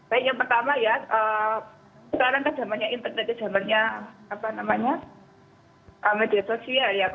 baik yang pertama ya